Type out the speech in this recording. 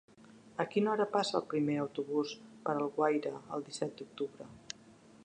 A quina hora passa el primer autobús per Alguaire el disset d'octubre?